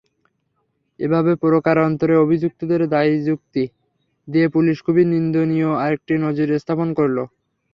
এভাবে প্রকারান্তরে অভিযুক্তদের দায়মুক্তি দিয়ে পুলিশ খুবই নিন্দনীয় আরেকটি নজির স্থাপন করল।